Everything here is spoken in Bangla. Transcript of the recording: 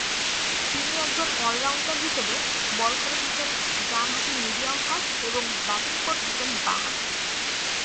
তিনি একজন অল-রাউন্ডার হিসেবে বল করে থাকেন ডান-হাতি মিডিয়াম ফাস্ট এবং ব্যাটিং করে থাকেন বা-হাতে।